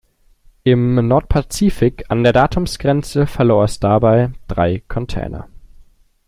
Im Nordpazifik an der Datumsgrenze verlor es dabei drei Container.